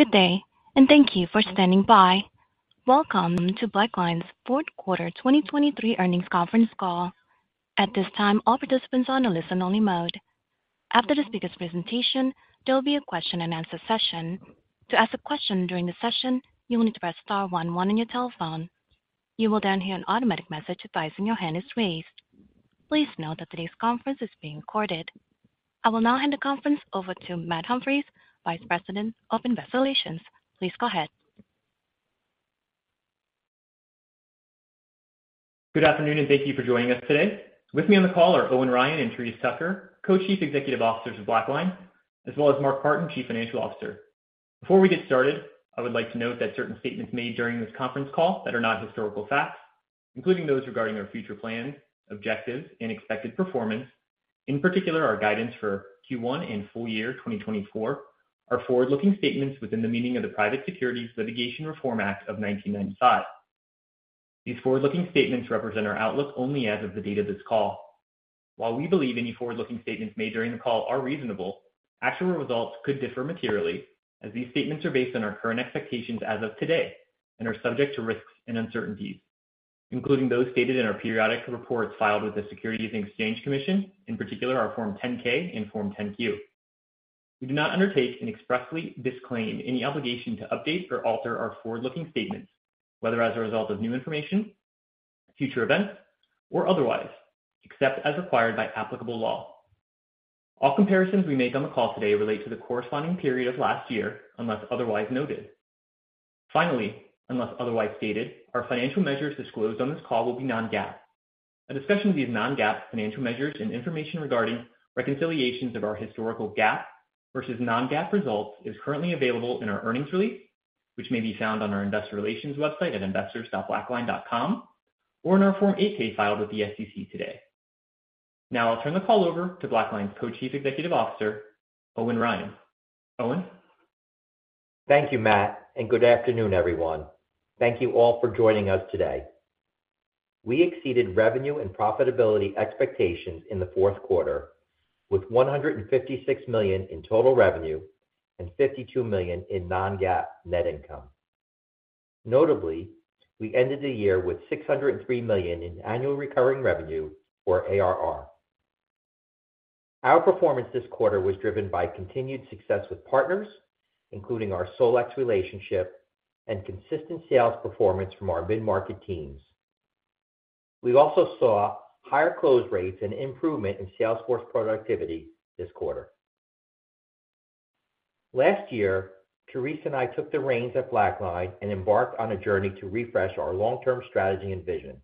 Good day, and thank you for standing by. Welcome to BlackLine's fourth quarter 2023 earnings conference call. At this time, all participants are in a listen-only mode. After the speaker's presentation, there will be a question-and-answer session. To ask a question during the session, you will need to press star one one on your telephone. You will then hear an automatic message advising your hand is raised. Please note that today's conference is being recorded. I will now hand the conference over to Matt Humphries, Vice President of Investor Relations. Please go ahead. Good afternoon, and thank you for joining us today. With me on the call are Owen Ryan and Therese Tucker, Co-Chief Executive Officers of BlackLine, as well as Mark Partin, Chief Financial Officer. Before we get started, I would like to note that certain statements made during this conference call that are not historical facts, including those regarding our future plans, objectives, and expected performance, in particular our guidance for Q1 and full year 2024, are forward-looking statements within the meaning of the Private Securities Litigation Reform Act of 1995. These forward-looking statements represent our outlook only as of the date of this call. While we believe any forward-looking statements made during the call are reasonable, actual results could differ materially, as these statements are based on our current expectations as of today and are subject to risks and uncertainties, including those stated in our periodic reports filed with the Securities and Exchange Commission, in particular our Form 10-K and Form 10-Q. We do not undertake and expressly disclaim any obligation to update or alter our forward-looking statements, whether as a result of new information, future events, or otherwise, except as required by applicable law. All comparisons we make on the call today relate to the corresponding period of last year, unless otherwise noted. Finally, unless otherwise stated, our financial measures disclosed on this call will be non-GAAP. A discussion of these non-GAAP financial measures and information regarding reconciliations of our historical GAAP versus non-GAAP results is currently available in our earnings release, which may be found on our Investor Relations website at investors.blackline.com, or in our Form 8-K filed with the SEC today. Now I'll turn the call over to BlackLine's Co-Chief Executive Officer, Owen Ryan. Owen? Thank you, Matt, and good afternoon, everyone. Thank you all for joining us today. We exceeded revenue and profitability expectations in the fourth quarter, with $156 million in total revenue and $52 million in non-GAAP net income. Notably, we ended the year with $603 million in annual recurring revenue, or ARR. Our performance this quarter was driven by continued success with partners, including our Solex relationship, and consistent sales performance from our mid-market teams. We also saw higher close rates and improvement in sales force productivity this quarter. Last year, Therese and I took the reins at BlackLine and embarked on a journey to refresh our long-term strategy and vision.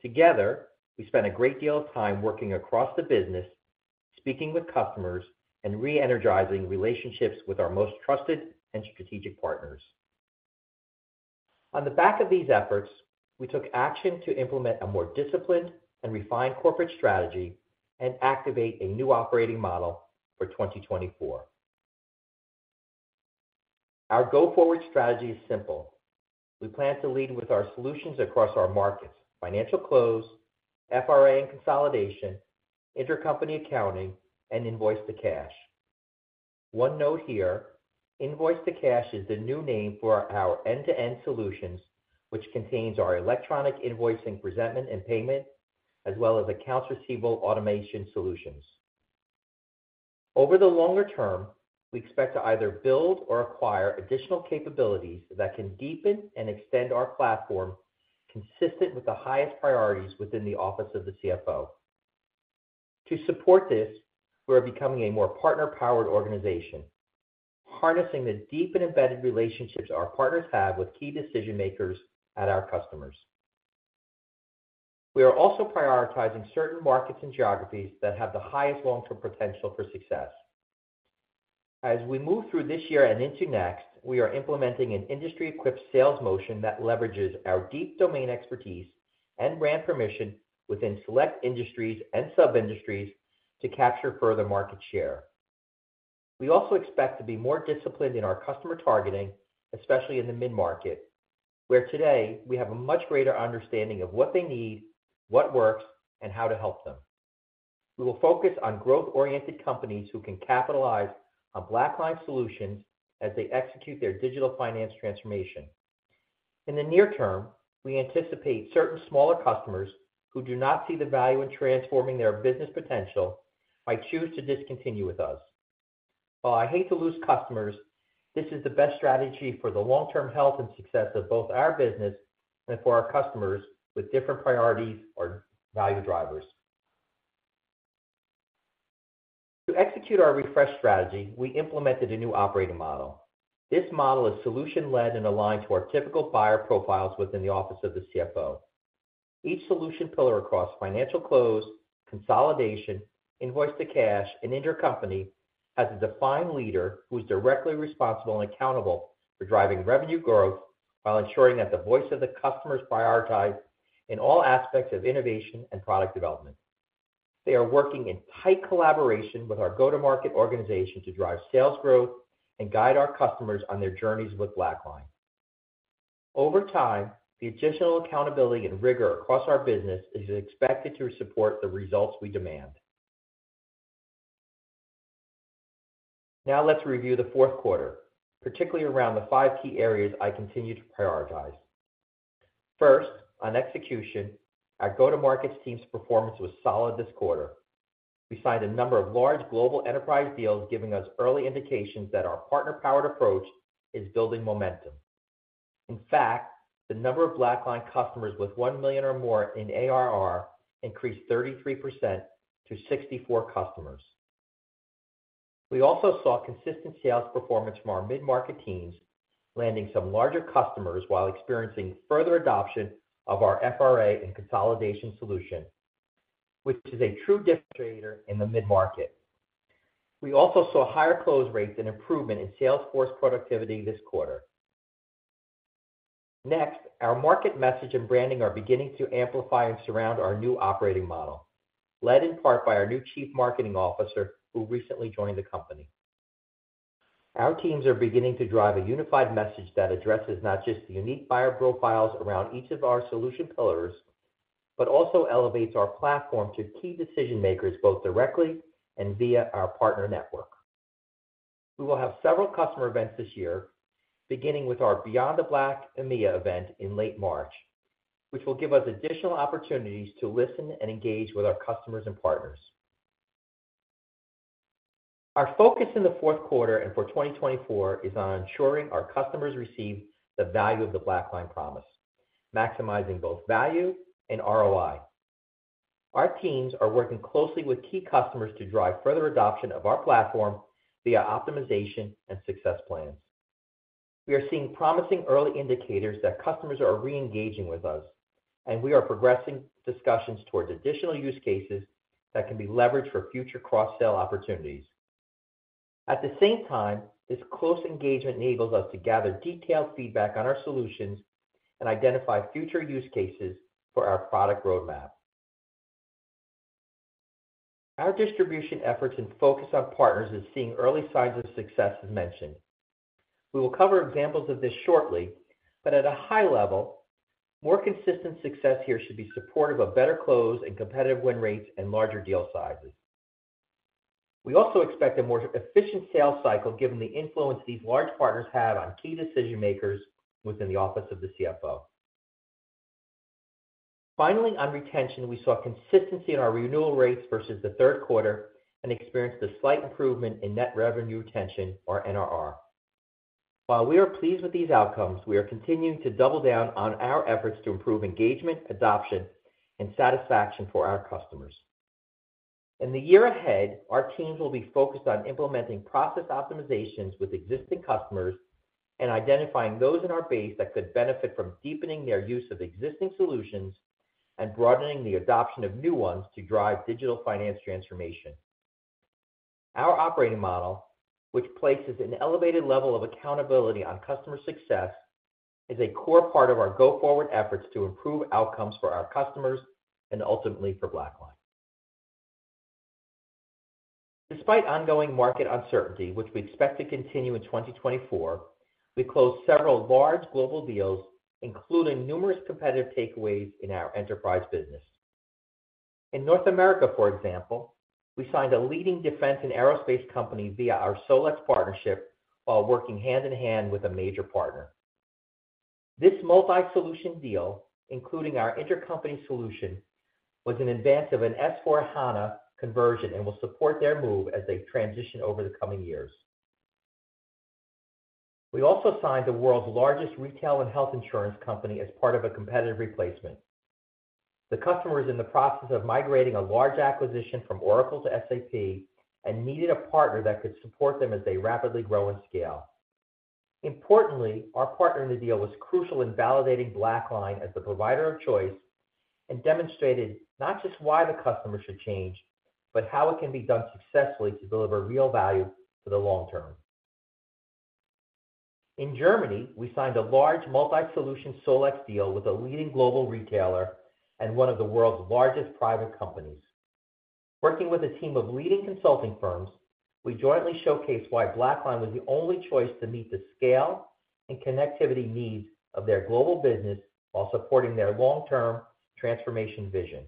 Together, we spent a great deal of time working across the business, speaking with customers, and re-energizing relationships with our most trusted and strategic partners. On the back of these efforts, we took action to implement a more disciplined and refined corporate strategy and activate a new operating model for 2024. Our go-forward strategy is simple. We plan to lead with our solutions across our markets: financial close, FRA and consolidation, intercompany accounting, and invoice-to-cash. One note here: invoice-to-cash is the new name for our end-to-end solutions, which contains our Invoicing Presentment and Payment, as well as Accounts Receivable Automation solutions. Over the longer term, we expect to either build or acquire additional capabilities that can deepen and extend our platform consistent with the highest priorities within the Office of the CFO. To support this, we are becoming a more partner-powered organization, harnessing the deep and embedded relationships our partners have with key decision-makers and our customers. We are also prioritizing certain markets and geographies that have the highest long-term potential for success. As we move through this year and into next, we are implementing an industry-equipped sales motion that leverages our deep domain expertise and brand permission within select industries and sub-industries to capture further market share. We also expect to be more disciplined in our customer targeting, especially in the mid-market, where today we have a much greater understanding of what they need, what works, and how to help them. We will focus on growth-oriented companies who can capitalize on BlackLine's solutions as they execute their digital finance transformation. In the near term, we anticipate certain smaller customers who do not see the value in transforming their business potential might choose to discontinue with us. While I hate to lose customers, this is the best strategy for the long-term health and success of both our business and for our customers with different priorities or value drivers. To execute our refresh strategy, we implemented a new operating model. This model is solution-led and aligned to our typical buyer profiles within the Office of the CFO. Each solution pillar across financial close, consolidation, invoice-to-cash, and intercompany has a defined leader who is directly responsible and accountable for driving revenue growth while ensuring that the voice of the customer is prioritized in all aspects of innovation and product development. They are working in tight collaboration with our go-to-market organization to drive sales growth and guide our customers on their journeys with BlackLine. Over time, the additional accountability and rigor across our business is expected to support the results we demand. Now let's review the fourth quarter, particularly around the five key areas I continue to prioritize. First, on execution, our go-to-market team's performance was solid this quarter. We signed a number of large global enterprise deals, giving us early indications that our partner-powered approach is building momentum. In fact, the number of BlackLine customers with $1 million or more in ARR increased 33% to 64 customers. We also saw consistent sales performance from our mid-market teams, landing some larger customers while experiencing further adoption of our FRA and consolidation solution, which is a true differentiator in the mid-market. We also saw higher close rates and improvement in Salesforce productivity this quarter. Next, our market message and branding are beginning to amplify and surround our new operating model, led in part by our new Chief Marketing Officer who recently joined the company. Our teams are beginning to drive a unified message that addresses not just the unique buyer profiles around each of our solution pillars, but also elevates our platform to key decision-makers both directly and via our partner network. We will have several customer events this year, beginning with our Beyond the Black EMEA event in late March, which will give us additional opportunities to listen and engage with our customers and partners. Our focus in the fourth quarter and for 2024 is on ensuring our customers receive the value of the BlackLine promise, maximizing both value and ROI. Our teams are working closely with key customers to drive further adoption of our platform via optimization and success plans. We are seeing promising early indicators that customers are re-engaging with us, and we are progressing discussions towards additional use cases that can be leveraged for future cross-sell opportunities. At the same time, this close engagement enables us to gather detailed feedback on our solutions and identify future use cases for our product roadmap. Our distribution efforts and focus on partners is seeing early signs of success, as mentioned. We will cover examples of this shortly, but at a high level, more consistent success here should be supportive of better close and competitive win rates and larger deal sizes. We also expect a more efficient sales cycle, given the influence these large partners have on key decision-makers within the Office of the CFO. Finally, on retention, we saw consistency in our renewal rates versus the third quarter and experienced a slight improvement in net revenue retention, or NRR. While we are pleased with these outcomes, we are continuing to double down on our efforts to improve engagement, adoption, and satisfaction for our customers. In the year ahead, our teams will be focused on implementing process optimizations with existing customers and identifying those in our base that could benefit from deepening their use of existing solutions and broadening the adoption of new ones to drive digital finance transformation. Our operating model, which places an elevated level of accountability on customer success, is a core part of our go-forward efforts to improve outcomes for our customers and ultimately for BlackLine. Despite ongoing market uncertainty, which we expect to continue in 2024, we closed several large global deals, including numerous competitive takeaways in our enterprise business. In North America, for example, we signed a leading defense and aerospace company via our Solex partnership while working hand in hand with a major partner. This multi-solution deal, including our intercompany solution, was an advance of an S/4HANA conversion and will support their move as they transition over the coming years. We also signed the world's largest retail and health insurance company as part of a competitive replacement. The customer is in the process of migrating a large acquisition from Oracle to SAP and needed a partner that could support them as they rapidly grow and scale. Importantly, our partner in the deal was crucial in validating BlackLine as the provider of choice and demonstrated not just why the customer should change, but how it can be done successfully to deliver real value for the long term. In Germany, we signed a large multi-solution Solex deal with a leading global retailer and one of the world's largest private companies. Working with a team of leading consulting firms, we jointly showcased why BlackLine was the only choice to meet the scale and connectivity needs of their global business while supporting their long-term transformation vision.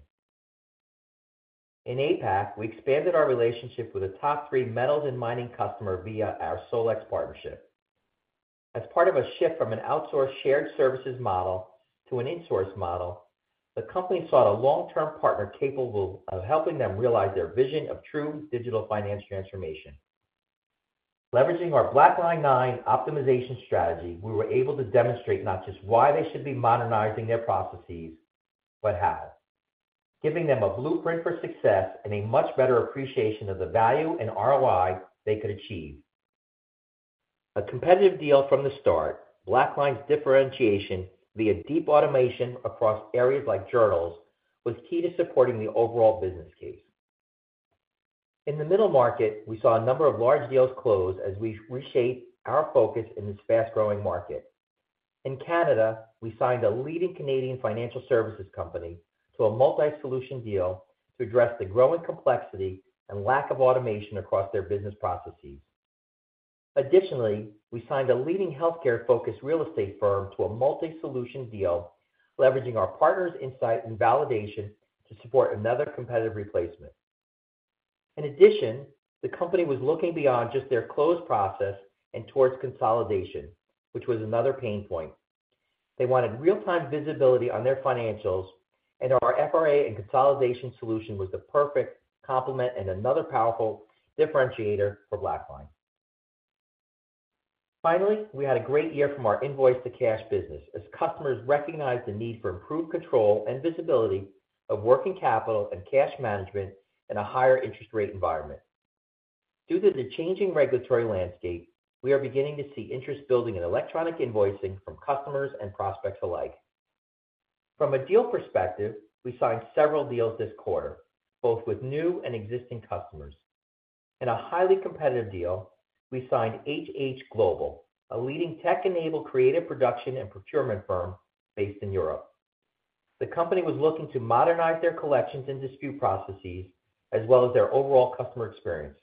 In APAC, we expanded our relationship with a top three metals and mining customer via our Solex partnership. As part of a shift from an outsourced shared services model to an insourced model, the company sought a long-term partner capable of helping them realize their vision of true digital finance transformation. Leveraging our BlackLine 9 optimization strategy, we were able to demonstrate not just why they should be modernizing their processes, but how, giving them a blueprint for success and a much better appreciation of the value and ROI they could achieve. A competitive deal from the start, BlackLine's differentiation via deep automation across areas like journals, was key to supporting the overall business case. In the middle market, we saw a number of large deals close as we reshaped our focus in this fast-growing market. In Canada, we signed a leading Canadian financial services company to a multi-solution deal to address the growing complexity and lack of automation across their business processes. Additionally, we signed a leading healthcare-focused real estate firm to a multi-solution deal, leveraging our partner's insight and validation to support another competitive replacement. In addition, the company was looking beyond just their close process and towards consolidation, which was another pain point. They wanted real-time visibility on their financials, and our FRA and consolidation solution was the perfect complement and another powerful differentiator for BlackLine. Finally, we had a great year from our invoice-to-cash business as customers recognized the need for improved control and visibility of working capital and cash management in a higher interest rate environment. Due to the changing regulatory landscape, we are beginning to see interest building in electronic invoicing from customers and prospects alike. From a deal perspective, we signed several deals this quarter, both with new and existing customers. In a highly competitive deal, we signed HH Global, a leading tech-enabled creative production and procurement firm based in Europe. The company was looking to modernize their collections and dispute processes, as well as their overall customer experience.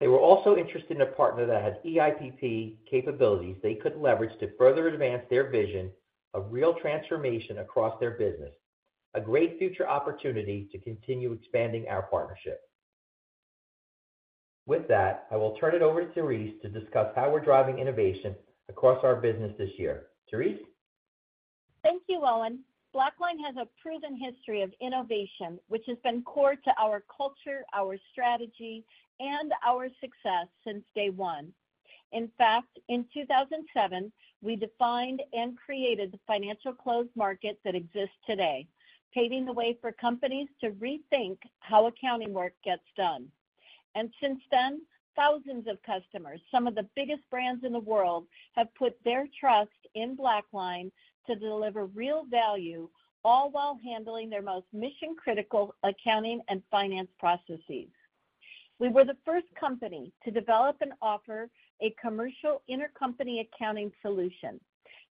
They were also interested in a partner that had EIPP capabilities they could leverage to further advance their vision of real transformation across their business, a great future opportunity to continue expanding our partnership. With that, I will turn it over to Therese to discuss how we're driving innovation across our business this year. Therese? Thank you, Owen. BlackLine has a proven history of innovation, which has been core to our culture, our strategy, and our success since day one. In fact, in 2007, we defined and created the financial close market that exists today, paving the way for companies to rethink how accounting work gets done. Since then, thousands of customers, some of the biggest brands in the world, have put their trust in BlackLine to deliver real value, all while handling their most mission-critical accounting and finance processes. We were the first company to develop and offer a commercial intercompany accounting solution.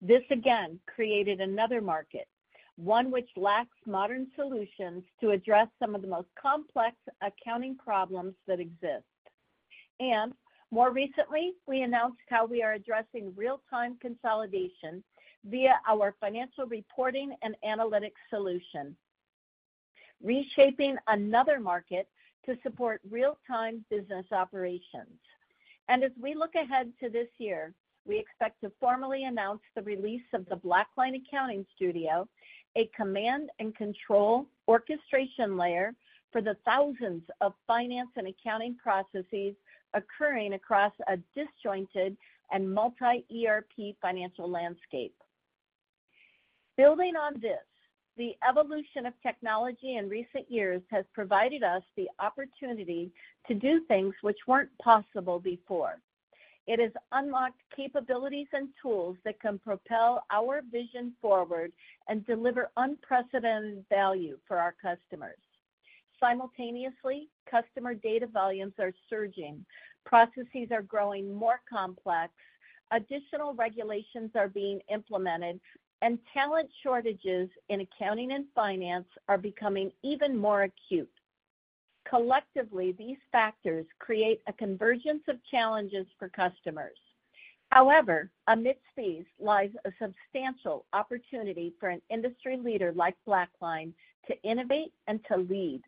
This, again, created another market, one which lacks modern solutions to address some of the most complex accounting problems that exist. More recently, we announced how we are addressing real-time consolidation via our financial reporting and analytics solution, reshaping another market to support real-time business operations. As we look ahead to this year, we expect to formally announce the release of the BlackLine Accounting Studio, a command and control orchestration layer for the thousands of finance and accounting processes occurring across a disjointed and multi-ERP financial landscape. Building on this, the evolution of technology in recent years has provided us the opportunity to do things which weren't possible before. It has unlocked capabilities and tools that can propel our vision forward and deliver unprecedented value for our customers. Simultaneously, customer data volumes are surging, processes are growing more complex, additional regulations are being implemented, and talent shortages in accounting and finance are becoming even more acute. Collectively, these factors create a convergence of challenges for customers. However, amidst these lies a substantial opportunity for an industry leader like BlackLine to innovate and to lead.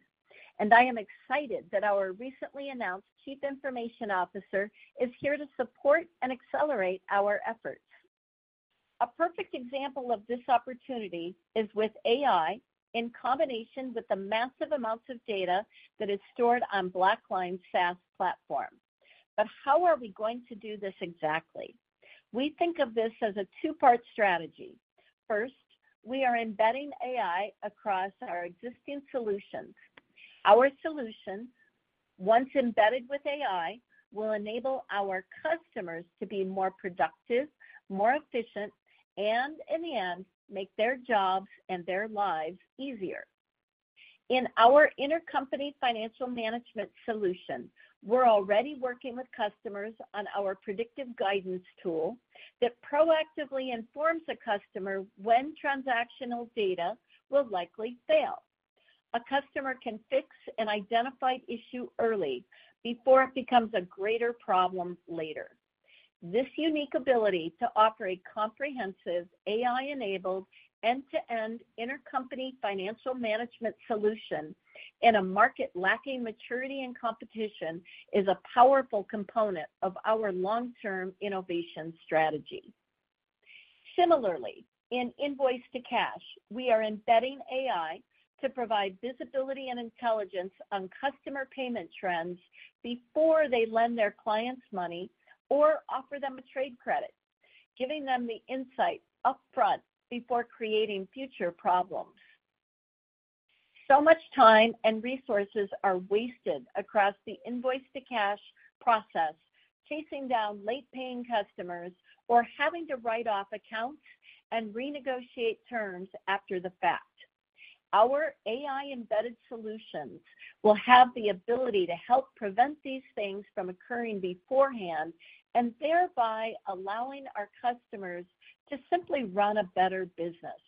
I am excited that our recently announced Chief Information Officer is here to support and accelerate our efforts. A perfect example of this opportunity is with AI in combination with the massive amounts of data that is stored on BlackLine's SaaS platform. But how are we going to do this exactly? We think of this as a two-part strategy. First, we are embedding AI across our existing solutions. Our solution, once embedded with AI, will enable our customers to be more productive, more efficient, and in the end, make their jobs and their lives easier. In our intercompany financial management solution, we're already working with customers on our predictive guidance tool that proactively informs a customer when transactional data will likely fail. A customer can fix an identified issue early before it becomes a greater problem later. This unique ability to offer a comprehensive, AI-enabled, end-to-end intercompany financial management solution in a market lacking maturity and competition is a powerful component of our long-term innovation strategy. Similarly, in invoice-to-cash, we are embedding AI to provide visibility and intelligence on customer payment trends before they lend their clients money or offer them a trade credit, giving them the insight upfront before creating future problems. So much time and resources are wasted across the invoice-to-cash process, chasing down late-paying customers or having to write off accounts and renegotiate terms after the fact. Our AI-embedded solutions will have the ability to help prevent these things from occurring beforehand and thereby allowing our customers to simply run a better business.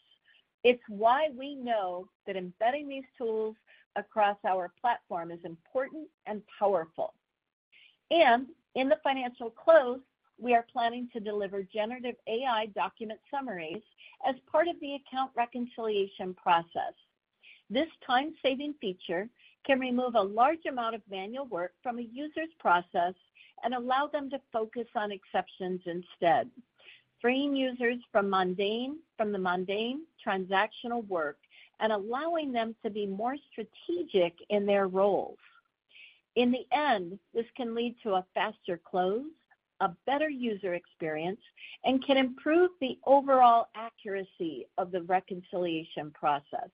It's why we know that embedding these tools across our platform is important and powerful. In the financial close, we are planning to deliver generative AI document summaries as part of the account reconciliation process. This time-saving feature can remove a large amount of manual work from a user's process and allow them to focus on exceptions instead, freeing users from the mundane transactional work and allowing them to be more strategic in their roles. In the end, this can lead to a faster close, a better user experience, and can improve the overall accuracy of the reconciliation process.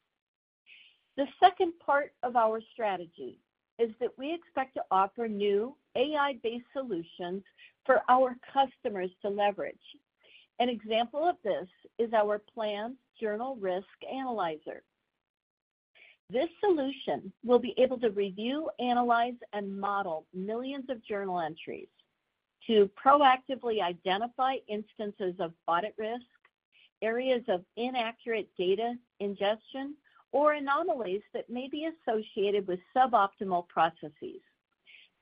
The second part of our strategy is that we expect to offer new AI-based solutions for our customers to leverage. An example of this is our planned Journal Risk Analyzer. This solution will be able to review, analyze, and model millions of journal entries to proactively identify instances of audit risk, areas of inaccurate data ingestion, or anomalies that may be associated with suboptimal processes.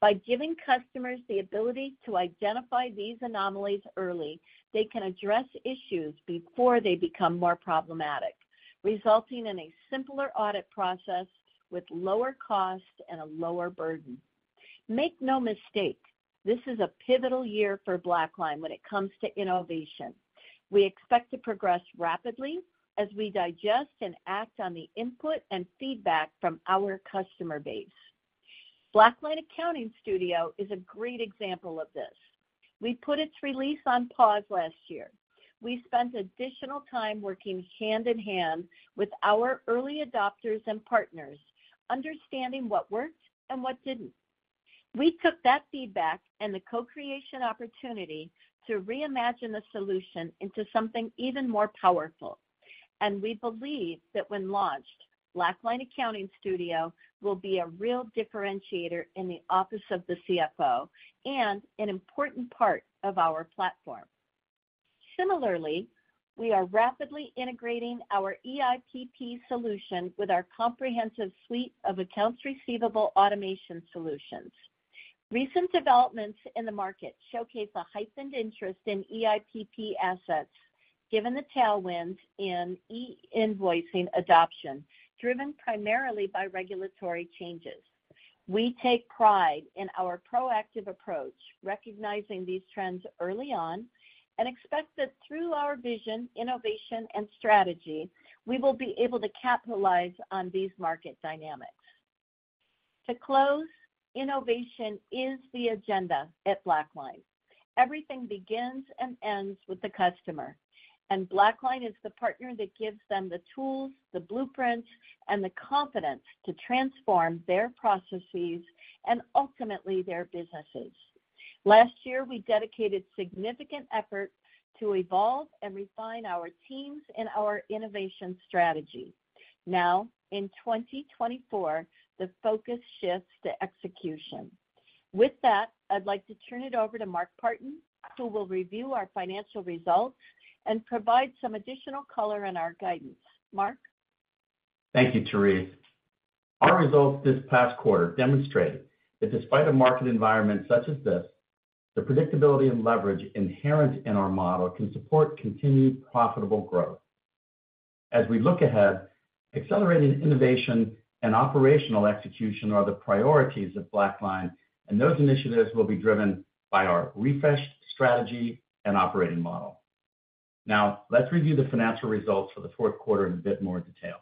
By giving customers the ability to identify these anomalies early, they can address issues before they become more problematic, resulting in a simpler audit process with lower cost and a lower burden. Make no mistake, this is a pivotal year for BlackLine when it comes to innovation. We expect to progress rapidly as we digest and act on the input and feedback from our customer base. BlackLine Accounting Studio is a great example of this. We put its release on pause last year. We spent additional time working hand in hand with our early adopters and partners, understanding what worked and what didn't. We took that feedback and the co-creation opportunity to reimagine the solution into something even more powerful. We believe that when launched, BlackLine Accounting Studio will be a real differentiator in the office of the CFO and an important part of our platform. Similarly, we are rapidly integrating our EIPP solution with our comprehensive suite of Accounts Receivable Automation solutions. Recent developments in the market showcase a heightened interest in EIPP assets given the tailwinds in invoicing adoption, driven primarily by regulatory changes. We take pride in our proactive approach, recognizing these trends early on, and expect that through our vision, innovation, and strategy, we will be able to capitalize on these market dynamics. To close, innovation is the agenda at BlackLine. Everything begins and ends with the customer. BlackLine is the partner that gives them the tools, the blueprints, and the confidence to transform their processes and ultimately their businesses. Last year, we dedicated significant effort to evolve and refine our teams and our innovation strategy. Now, in 2024, the focus shifts to execution. With that, I'd like to turn it over to Mark Partin, who will review our financial results and provide some additional color on our guidance. Mark? Thank you, Therese. Our results this past quarter demonstrated that despite a market environment such as this, the predictability and leverage inherent in our model can support continued profitable growth. As we look ahead, accelerating innovation and operational execution are the priorities of BlackLine, and those initiatives will be driven by our refreshed strategy and operating model. Now, let's review the financial results for the fourth quarter in a bit more detail.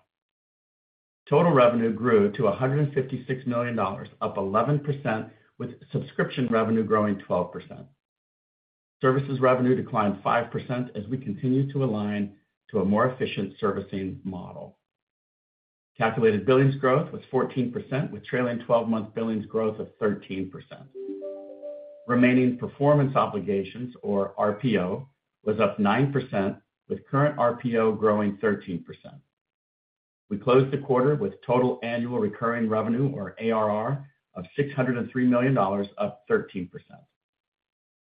Total revenue grew to $156 million, up 11%, with subscription revenue growing 12%. Services revenue declined 5% as we continue to align to a more efficient servicing model. Calculated billings growth was 14%, with trailing 12-month billings growth of 13%. Remaining performance obligations, or RPO, was up 9%, with current RPO growing 13%. We closed the quarter with total annual recurring revenue, or ARR, of $603 million, up 13%.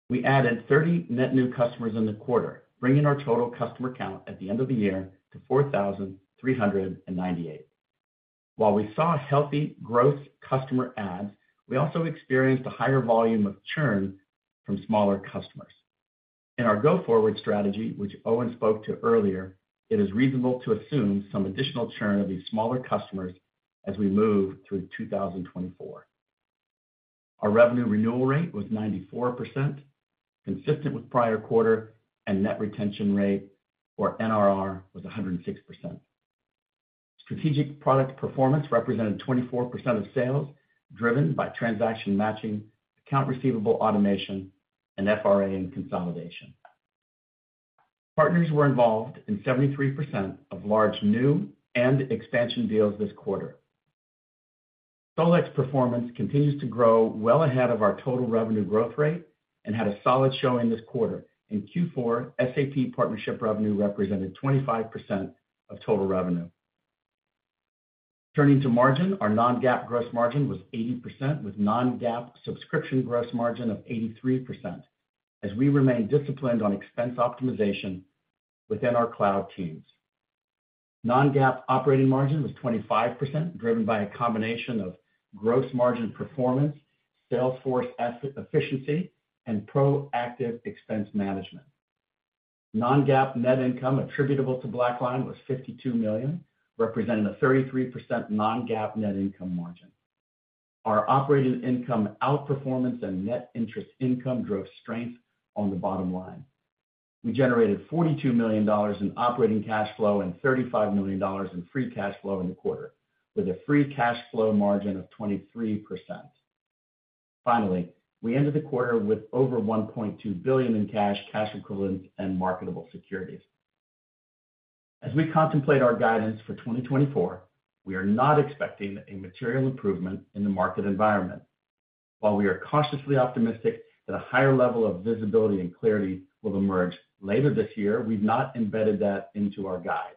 We added 30 net new customers in the quarter, bringing our total customer count at the end of the year to 4,398. While we saw healthy growth customer adds, we also experienced a higher volume of churn from smaller customers. In our go-forward strategy, which Owen spoke to earlier, it is reasonable to assume some additional churn of these smaller customers as we move through 2024. Our revenue renewal rate was 94%, consistent with prior quarter, and net retention rate, or NRR, was 106%. Strategic product performance represented 24% of sales, driven by Transaction Matching, Accounts Receivable Automation, and FRA and consolidation. Partners were involved in 73% of large new and expansion deals this quarter. Solex performance continues to grow well ahead of our total revenue growth rate and had a solid showing this quarter. In Q4, SAP partnership revenue represented 25% of total revenue. Turning to margin, our non-GAAP gross margin was 80%, with non-GAAP subscription gross margin of 83% as we remain disciplined on expense optimization within our cloud teams. Non-GAAP operating margin was 25%, driven by a combination of gross margin performance, Salesforce efficiency, and proactive expense management. Non-GAAP net income attributable to BlackLine was $52 million, representing a 33% non-GAAP net income margin. Our operating income outperformance and net interest income drove strength on the bottom line. We generated $42 million in operating cash flow and $35 million in free cash flow in the quarter, with a free cash flow margin of 23%. Finally, we ended the quarter with over $1.2 billion in cash, cash equivalents, and marketable securities. As we contemplate our guidance for 2024, we are not expecting a material improvement in the market environment. While we are cautiously optimistic that a higher level of visibility and clarity will emerge later this year, we've not embedded that into our guide.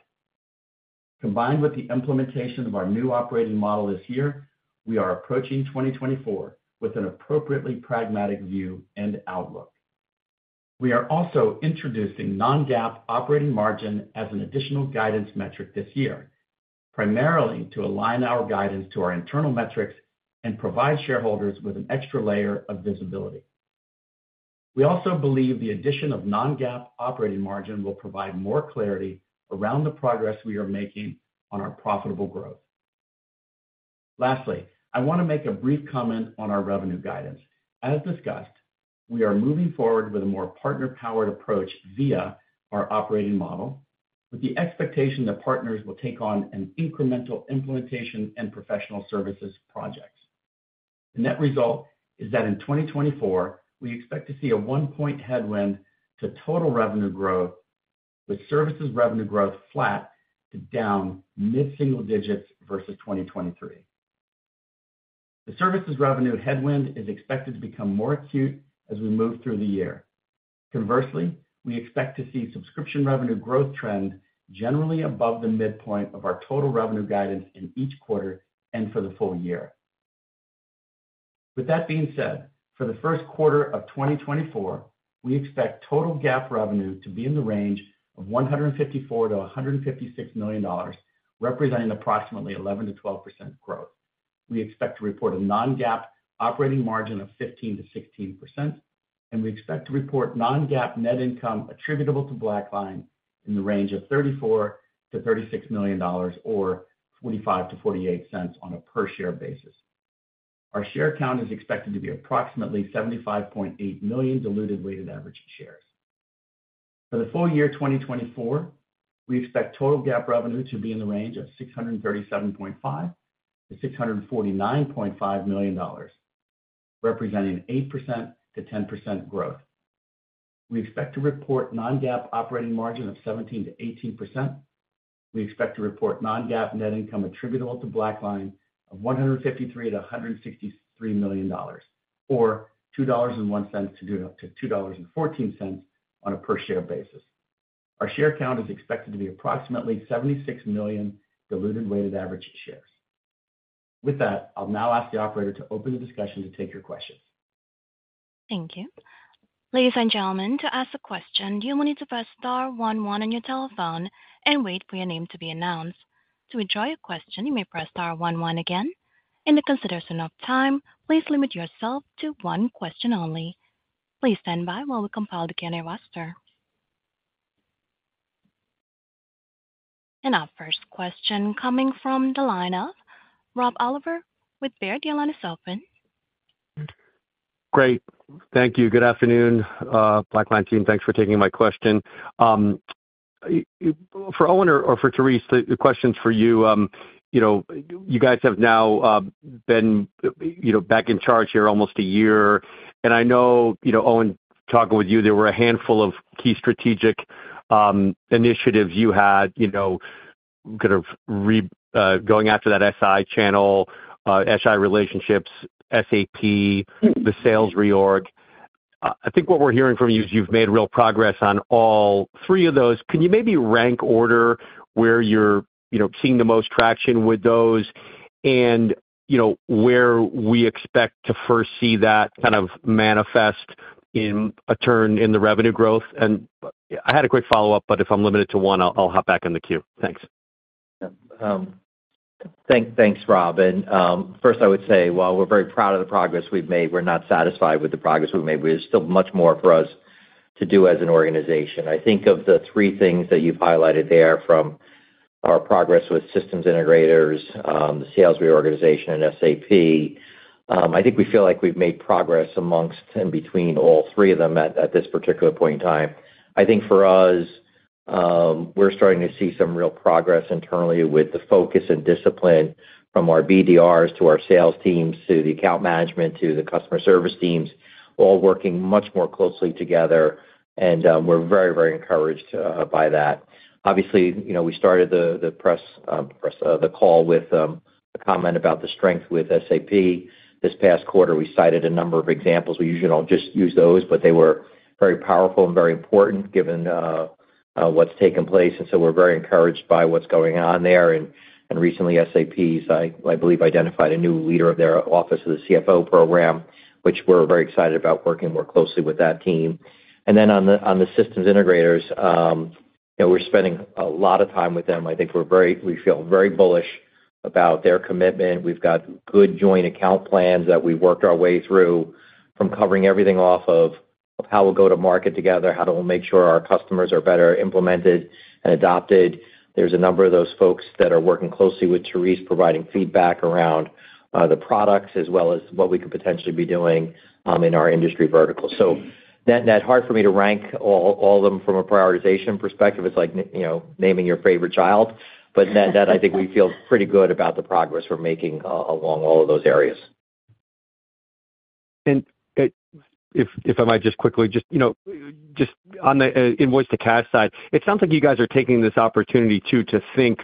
Combined with the implementation of our new operating model this year, we are approaching 2024 with an appropriately pragmatic view and outlook. We are also introducing non-GAAP operating margin as an additional guidance metric this year, primarily to align our guidance to our internal metrics and provide shareholders with an extra layer of visibility. We also believe the addition of non-GAAP operating margin will provide more clarity around the progress we are making on our profitable growth. Lastly, I want to make a brief comment on our revenue guidance. As discussed, we are moving forward with a more partner-powered approach via our operating model, with the expectation that partners will take on an incremental implementation and professional services projects. The net result is that in 2024, we expect to see a one-point headwind to total revenue growth, with services revenue growth flat to down mid-single digits versus 2023. The services revenue headwind is expected to become more acute as we move through the year. Conversely, we expect to see subscription revenue growth trend generally above the midpoint of our total revenue guidance in each quarter and for the full year. With that being said, for the first quarter of 2024, we expect total GAAP revenue to be in the range of $154 million-$156 million, representing approximately 11%-12% growth. We expect to report a non-GAAP operating margin of 15%-16%, and we expect to report non-GAAP net income attributable to BlackLine in the range of $34 million -$36 million or $0.45-$0.48 on a per-share basis. Our share count is expected to be approximately 75.8 million diluted weighted average shares. For the full year 2024, we expect total GAAP revenue to be in the range of $637.5 million-$649.5 million, representing 8%-10% growth. We expect to report non-GAAP operating margin of 17%-18%. We expect to report non-GAAP net income attributable to BlackLine of $153 million-$163 million or $2.01-$2.14 on a per-share basis. Our share count is expected to be approximately 76 million diluted weighted average shares. With that, I'll now ask the operator to open the discussion to take your questions. Thank you. Ladies and gentlemen, to ask a question, do you want me to press star one one on your telephone and wait for your name to be announced? To withdraw your question, you may press star one one again. In the consideration of time, please limit yourself to one question only. Please stand by while we compile the Q&A roster. Our first question coming from the line of Rob Oliver with Baird is open. Great. Thank you. Good afternoon, BlackLine team. Thanks for taking my question. For Owen or for Therese, the question's for you. You guys have now been back in charge here almost a year. And I know, Owen, talking with you, there were a handful of key strategic initiatives you had, kind of going after that SI channel, SI relationships, SAP, the sales reorg. I think what we're hearing from you is you've made real progress on all three of those. Can you maybe rank order where you're seeing the most traction with those and where we expect to first see that kind of manifest in a turn in the revenue growth? And I had a quick follow-up, but if I'm limited to one, I'll hop back in the queue. Thanks. Thanks, Rob. And first, I would say, while we're very proud of the progress we've made, we're not satisfied with the progress we've made. There's still much more for us to do as an organization. I think of the three things that you've highlighted there from our progress with systems integrators, the sales reorganization, and SAP, I think we feel like we've made progress amongst and between all three of them at this particular point in time. I think for us, we're starting to see some real progress internally with the focus and discipline from our BDRs to our sales teams to the account management to the customer service teams, all working much more closely together. And we're very, very encouraged by that. Obviously, we started the call with a comment about the strength with SAP. This past quarter, we cited a number of examples. We usually don't just use those, but they were very powerful and very important given what's taken place. And so we're very encouraged by what's going on there. And recently, SAP's, I believe, identified a new leader of their office of the CFO program, which we're very excited about working more closely with that team. And then on the systems integrators, we're spending a lot of time with them. I think we feel very bullish about their commitment. We've got good joint account plans that we've worked our way through from covering everything off of how we'll go to market together, how to make sure our customers are better implemented and adopted. There's a number of those folks that are working closely with Therese, providing feedback around the products as well as what we could potentially be doing in our industry vertical. That's hard for me to rank all of them from a prioritization perspective. It's like naming your favorite child. But that, I think, we feel pretty good about the progress we're making along all of those areas. If I might just quickly, just on the Invoice-to-Cash side, it sounds like you guys are taking this opportunity too to think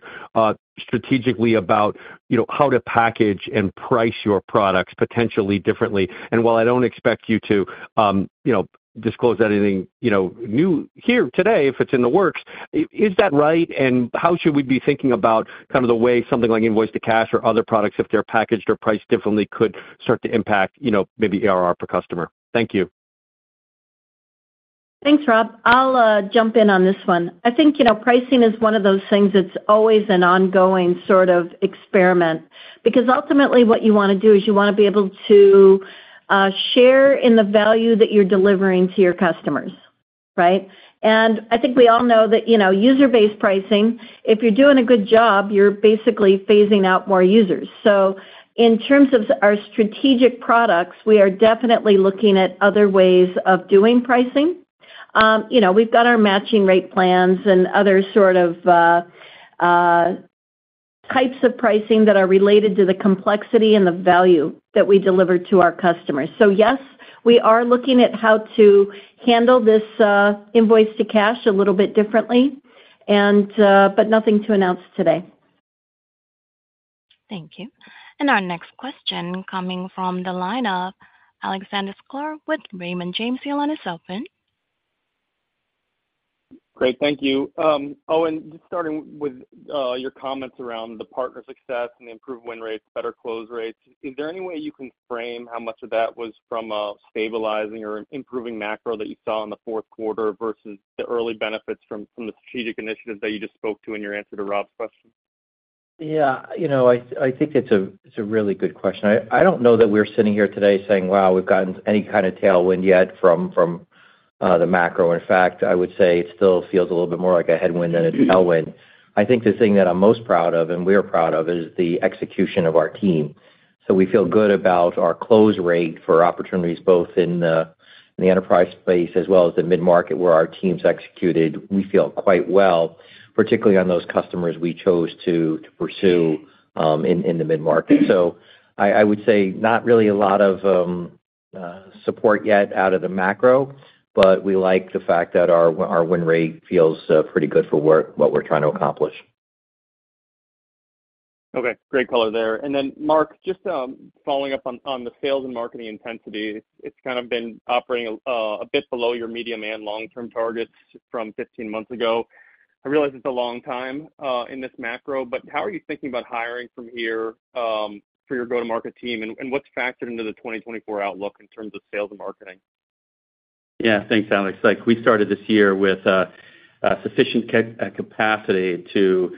strategically about how to package and price your products potentially differently. While I don't expect you to disclose anything new here today, if it's in the works, is that right? How should we be thinking about kind of the way something like Invoice-to-Cash or other products, if they're packaged or priced differently, could start to impact maybe ARR per customer? Thank you. Thanks, Rob. I'll jump in on this one. I think pricing is one of those things that's always an ongoing sort of experiment because ultimately, what you want to do is you want to be able to share in the value that you're delivering to your customers, right? And I think we all know that user-based pricing, if you're doing a good job, you're basically phasing out more users. So in terms of our strategic products, we are definitely looking at other ways of doing pricing. We've got our matching rate plans and other sort of types of pricing that are related to the complexity and the value that we deliver to our customers. So yes, we are looking at how to handle this Invoice-to-Cash a little bit differently, but nothing to announce today. Thank you. Our next question coming from the line of Alexander Sklar with Raymond James. The line is open. Great. Thank you. Owen, just starting with your comments around the partner success and the improved win rates, better close rates, is there any way you can frame how much of that was from stabilizing or improving macro that you saw in the fourth quarter versus the early benefits from the strategic initiatives that you just spoke to in your answer to Rob's question? Yeah. I think it's a really good question. I don't know that we're sitting here today saying, "Wow, we've gotten any kind of tailwind yet from the macro." In fact, I would say it still feels a little bit more like a headwind than a tailwind. I think the thing that I'm most proud of and we are proud of is the execution of our team. So we feel good about our close rate for opportunities both in the enterprise space as well as the mid-market where our team's executed. We feel quite well, particularly on those customers we chose to pursue in the mid-market. So I would say not really a lot of support yet out of the macro, but we like the fact that our win rate feels pretty good for what we're trying to accomplish. Okay. Great color there. And then, Mark, just following up on the sales and marketing intensity, it's kind of been operating a bit below your medium and long-term targets from 15 months ago. I realize it's a long time in this macro, but how are you thinking about hiring from here for your go-to-market team? And what's factored into the 2024 outlook in terms of sales and marketing? Yeah. Thanks, Alex. We started this year with sufficient capacity to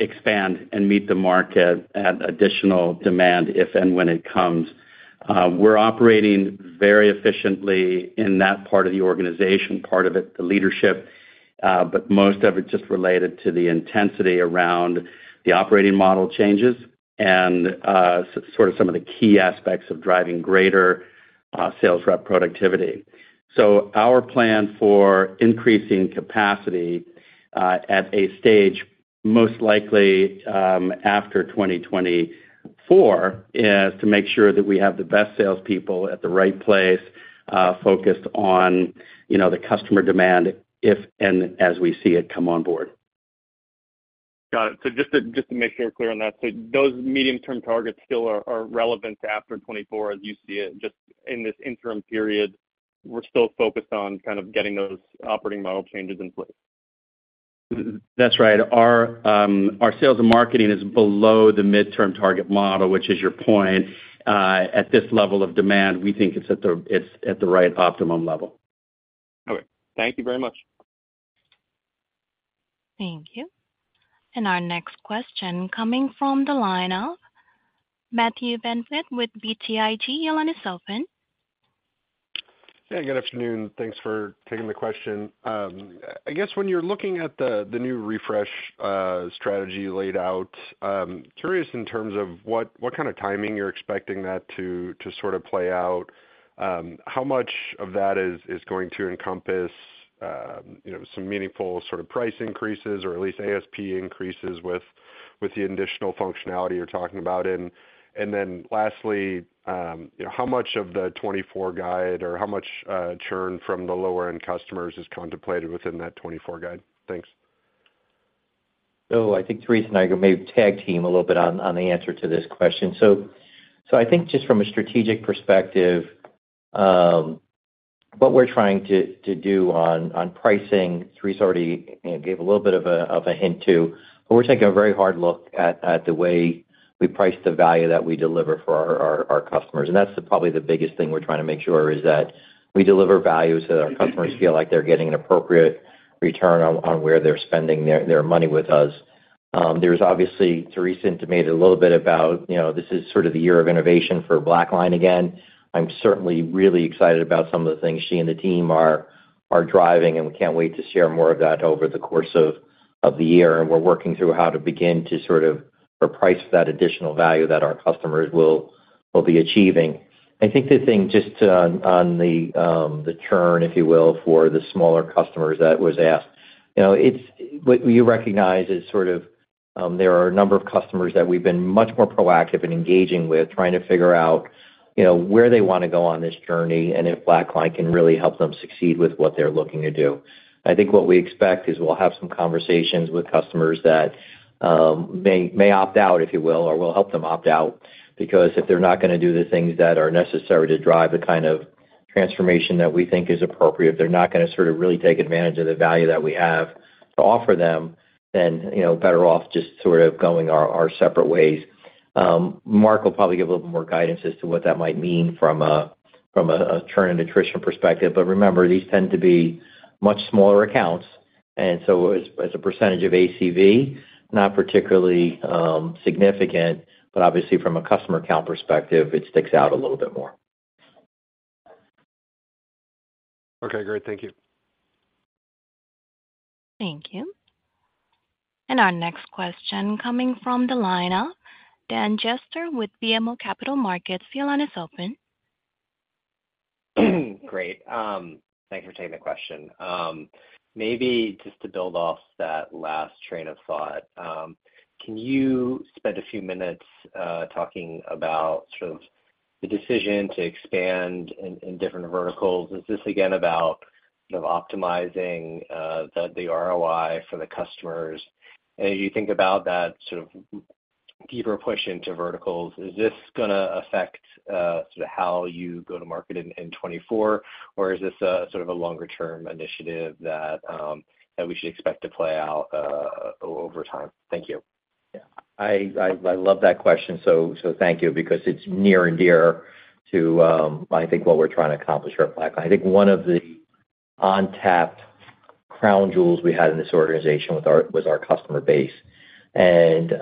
expand and meet the market at additional demand if and when it comes. We're operating very efficiently in that part of the organization, part of it, the leadership, but most of it just related to the intensity around the operating model changes and sort of some of the key aspects of driving greater sales rep productivity. So our plan for increasing capacity at a stage most likely after 2024 is to make sure that we have the best salespeople at the right place focused on the customer demand if and as we see it come on board. Got it. So just to make sure we're clear on that, so those medium-term targets still are relevant after 2024 as you see it? Just in this interim period, we're still focused on kind of getting those operating model changes in place? That's right. Our sales and marketing is below the mid-term target model, which is your point. At this level of demand, we think it's at the right optimum level. Okay. Thank you very much. Thank you. Our next question coming from the line of Matthew Hedberg with BTIG, Yolani Sopin. Yeah. Good afternoon. Thanks for taking the question. I guess when you're looking at the new refresh strategy laid out, curious in terms of what kind of timing you're expecting that to sort of play out. How much of that is going to encompass some meaningful sort of price increases or at least ASP increases with the additional functionality you're talking about? And then lastly, how much of the 2024 guide or how much churn from the lower-end customers is contemplated within that 2024 guide? Thanks. I think Therese and I could maybe tag team a little bit on the answer to this question. I think just from a strategic perspective, what we're trying to do on pricing, Therese already gave a little bit of a hint to, but we're taking a very hard look at the way we price the value that we deliver for our customers. That's probably the biggest thing we're trying to make sure is that we deliver values so that our customers feel like they're getting an appropriate return on where they're spending their money with us. There's obviously, Therese intimated a little bit about this is sort of the year of innovation for BlackLine again. I'm certainly really excited about some of the things she and the team are driving, and we can't wait to share more of that over the course of the year. We're working through how to begin to sort of price for that additional value that our customers will be achieving. I think the thing just on the churn, if you will, for the smaller customers that was asked, what you recognize is sort of there are a number of customers that we've been much more proactive in engaging with, trying to figure out where they want to go on this journey and if BlackLine can really help them succeed with what they're looking to do. I think what we expect is we'll have some conversations with customers that may opt out, if you will, or we'll help them opt out because if they're not going to do the things that are necessary to drive the kind of transformation that we think is appropriate, if they're not going to sort of really take advantage of the value that we have to offer them, then better off just sort of going our separate ways. Mark will probably give a little bit more guidance as to what that might mean from a churn and attrition perspective. But remember, these tend to be much smaller accounts. And so as a percentage of ACV, not particularly significant, but obviously, from a customer account perspective, it sticks out a little bit more. Okay. Great. Thank you. Thank you. And our next question coming from the line of Dan Jester with BMO Capital Markets. The line is open. Great. Thanks for taking the question. Maybe just to build off that last train of thought, can you spend a few minutes talking about sort of the decision to expand in different verticals? Is this, again, about sort of optimizing the ROI for the customers? And as you think about that sort of deeper push into verticals, is this going to affect sort of how you go to market in 2024, or is this sort of a longer-term initiative that we should expect to play out over time? Thank you. Yeah. I love that question. So thank you because it's near and dear to, I think, what we're trying to accomplish here at BlackLine. I think one of the untapped crown jewels we had in this organization was our customer base. And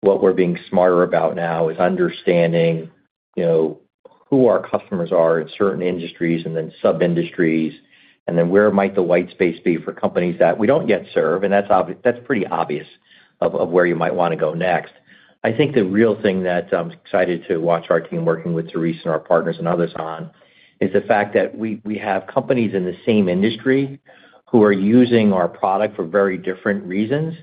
what we're being smarter about now is understanding who our customers are in certain industries and then sub-industries, and then where might the white space be for companies that we don't yet serve. And that's pretty obvious of where you might want to go next. I think the real thing that I'm excited to watch our team working with Therese and our partners and others on is the fact that we have companies in the same industry who are using our product for very different reasons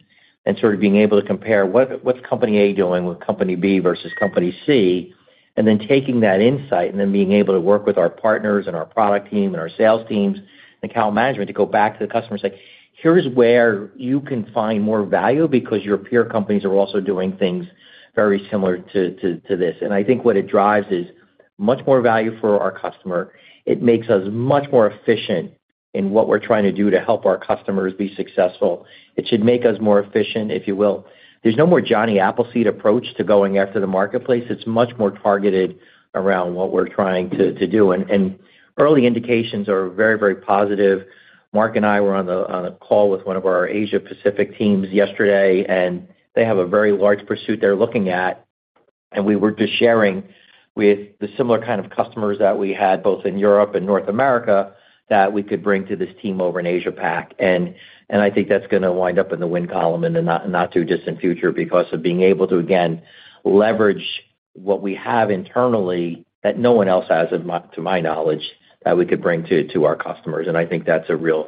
and sort of being able to compare what's Company A doing with Company B versus Company C, and then taking that insight and then being able to work with our partners and our product team and our sales teams and account management to go back to the customer and say, "Here's where you can find more value because your peer companies are also doing things very different to this." And I think what it drives is much more value for our customer. It makes us much more efficient in what we're trying to do to help our customers be successful. It should make us more efficient, if you will. There's no more Johnny Appleseed approach to going after the marketplace. It's much more targeted around what we're trying to do. Early indications are very, very positive. Mark and I were on a call with one of our Asia-Pacific teams yesterday, and they have a very large pursuit they're looking at. We were just sharing with the similar kind of customers that we had both in Europe and North America that we could bring to this team over in Asia-Pacific. I think that's going to wind up in the win column in the not too distant future because of being able to, again, leverage what we have internally that no one else has, to my knowledge, that we could bring to our customers. I think that's going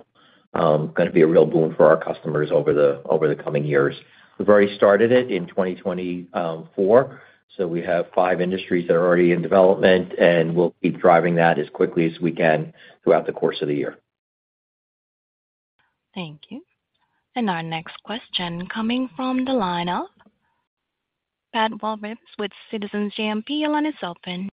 to be a real boon for our customers over the coming years. We've already started it in 2024. We have five industries that are already in development, and we'll keep driving that as quickly as we can throughout the course of the year. Thank you. Our next question coming from the line of Pat Walravens with Citizens JMP. The line is open.